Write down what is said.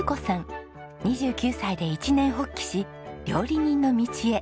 ２９歳で一念発起し料理人の道へ。